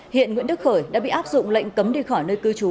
hiện nguyễn đức khởi đã bị áp dụng lệnh cấm đi khỏi nơi cư trú